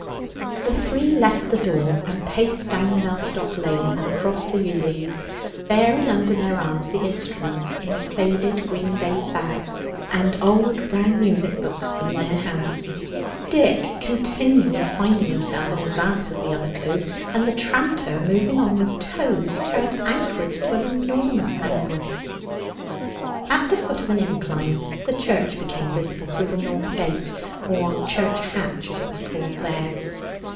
The three left the door and paced down Mellstock lane and across the ewe lease, bearing under their arms the instruments in faded green baize bags, and old brown music books in their hands; Dick continually finding himself in advance of the other two, and the tranter moving on with toes turned outwards to an enormous angle. At the foot of an incline the church became visible through the north gate, or 'church hatch,' as it was called here.